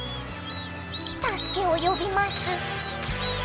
助けを呼びます。